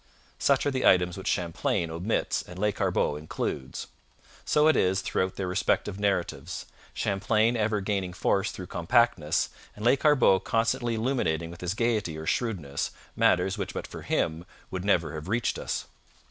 Such are the items which Champlain omits and Lescarbot includes. So it is throughout their respective narratives Champlain ever gaining force through compactness, and Lescarbot constantly illuminating with his gaiety or shrewdness matters which but for him would never have reached us.